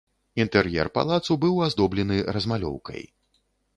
Інтэр'ер палацу быў аздоблены размалёўкай.